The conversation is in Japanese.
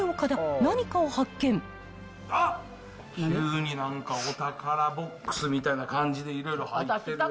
あっ、急になんか、お宝ボックスみたいな感じでいろいろ入ってるよ。